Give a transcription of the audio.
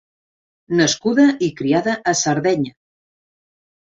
Nascuda i criada a Sardenya.